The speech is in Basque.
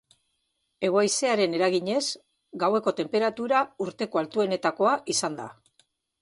Hego-haizearen eraginez, gaueko tenperatura urteko altuenetakoa izan da.